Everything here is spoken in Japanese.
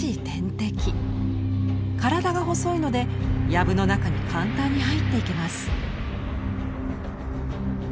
体が細いのでヤブの中に簡単に入っていけます。